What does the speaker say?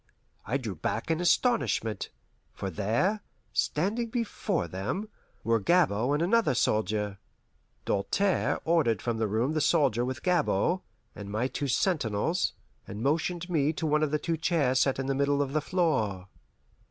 I drew back in astonishment, for there, standing before them, were Gabord and another soldier. Doltaire ordered from the room the soldier with Gabord, and my two sentinels, and motioned me to one of two chairs set in the middle of the floor.